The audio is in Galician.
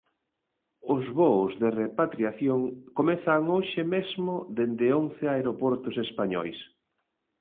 Os voos de repatriación comezan hoxe mesmo dende once aeroportos españois.